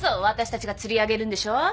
私たちが釣り上げるんでしょ。